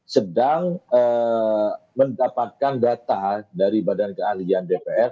sedang mendapatkan data dari bkdpr